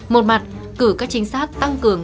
một mặt cử các trinh sát tăng cường